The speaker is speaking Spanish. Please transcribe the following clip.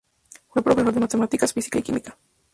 Fue profesor de matemáticas, física y química.